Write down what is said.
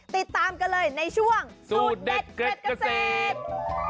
ติดตามกันเลยในช่วงสูตรเด็ดเผ็ดเกษตร